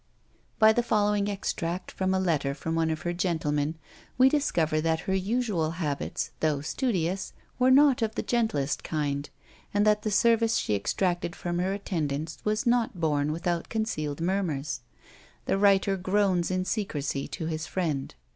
By the following extract from a letter from one of her gentlemen, we discover that her usual habits, though studious, were not of the gentlest kind, and that the service she exacted from her attendants was not borne without concealed murmurs. The writer groans in secrecy to his friend.